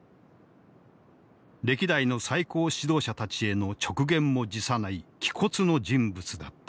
歴代の最高指導者たちへの直言も辞さない気骨の人物だった。